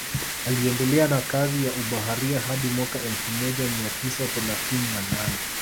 Aliendelea na kazi ya ubaharia hadi mwaka elfu moja mia tisa thelathini na nane